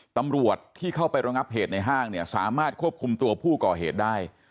ตำรวจที่เข้าไประงับเหตุในห้างเนี่ยสามารถควบคุมตัวผู้ก่อเหตุได้